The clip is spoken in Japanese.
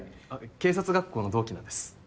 警察学校の同期なんです。